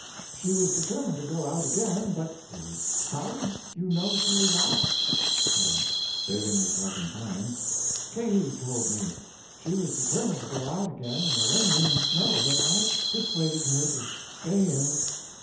She was determined to go out again, but L. How did you know she was out? CL. (saving herself in time). Katie told me. She was determined to go out again in the rain and snow, but I persuaded her to stay in.